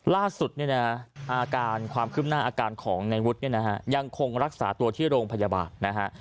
ล่าสุดนี่เนี่ยครับอาการความขึ้นหน้าของไนวุฒิยังคงรักษาตัวในโรงพยาบาล